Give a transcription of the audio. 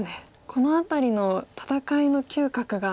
この辺りの戦いの嗅覚が。